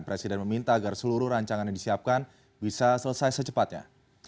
presiden meminta agar seluruh rancangan yang disiapkan bisa selesai secepatnya